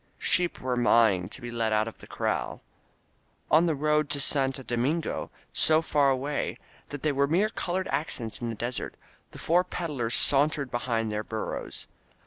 Sheep were maaing to be let out of the corral. On the road to Santo Domingo, so far away that they were mere col ored accents in the desert, the four peddlers sauntered behind their burros.